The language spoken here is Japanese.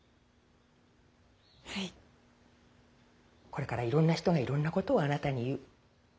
これからいろんな人がいろんなことをあなたに言う。